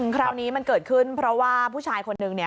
คราวนี้มันเกิดขึ้นเพราะว่าผู้ชายคนนึงเนี่ย